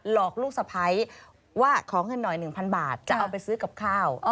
อกลูกสะพ้ายว่าขอเงินหน่อย๑๐๐บาทจะเอาไปซื้อกับข้าว